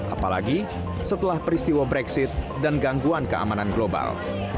apalagi setelah peristiwa brexit dan gangguan keamanan global